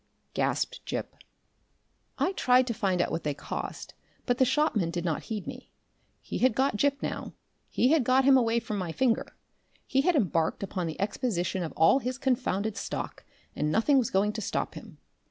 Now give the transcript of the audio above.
gasped Gip. I tried to find out what they cost, but the shopman did not heed me. He had got Gip now; he had got him away from my finger; he had embarked upon the exposition of all his confounded stock, and nothing was going to stop him.